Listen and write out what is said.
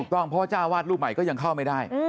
ต้องเพราะว่าจ้าวาดรูปใหม่ก็ยังเข้าไม่ได้